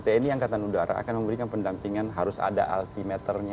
tni angkatan udara akan memberikan pendampingan harus ada altimeternya